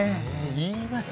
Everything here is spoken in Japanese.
言います。